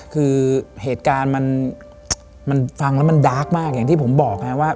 คือเหตุการณ์มันฟังแล้วมันดาร์กมากอย่างที่ผมบอกไงว่า